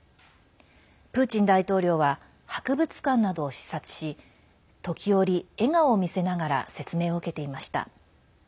プーチン大統領は博物館などを視察し時折、笑顔を見せながら説明を受けていました。